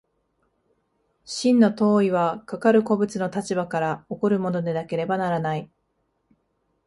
真の当為はかかる個物の立場から起こるものでなければならない。